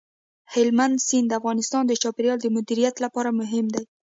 هلمند سیند د افغانستان د چاپیریال د مدیریت لپاره مهم دي.